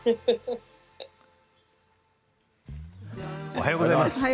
おはようございます。